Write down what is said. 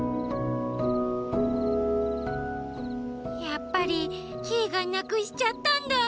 やっぱりキイがなくしちゃったんだ。